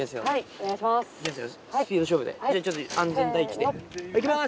お願いします。